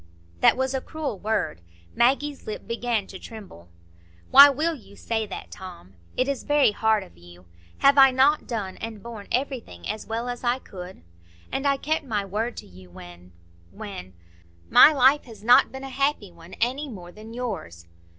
That was a cruel word. Maggie's lip began to tremble. "Why will you say that, Tom? It is very hard of you. Have I not done and borne everything as well as I could? And I kept my word to you—when—when——My life has not been a happy one, any more than yours."